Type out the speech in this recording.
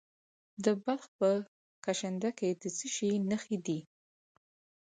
د بلخ په کشنده کې د څه شي نښې دي؟